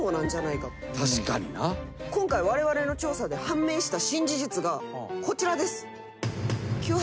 今回われわれの調査で判明した新事実がこちらです。